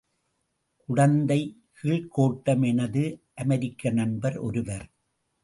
குடந்தை கீழ்க்கோட்டம் எனது அமெரிக்க நண்பர் ஒருவர்.